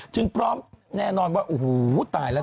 พร้อมแน่นอนว่าโอ้โหตายแล้ว